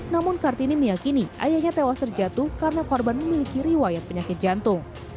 namun kartini meyakini ayahnya tewas terjatuh karena korban memiliki riwayat penyakit jantung